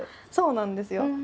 そうなんですよ。